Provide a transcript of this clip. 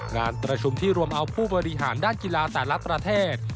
งานประชุมที่รวมเอาผู้บริหารด้านกีฬาแต่ละประเทศ